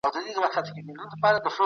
ایا مسلکي بڼوال وچ انار پروسس کوي؟